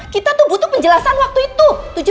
kita tuh butuh penjelasan waktu itu